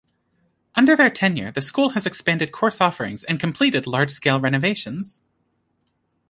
Under their tenure, the school has expanded course offerings and completed large-scale renovations.